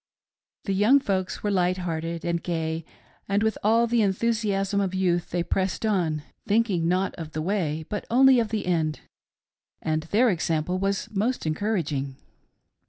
The young folks were light hearted and gay, and with all the en thusiasm of youth they pressed on, thinking not of the way but only of the end ; and their example was most encour aging.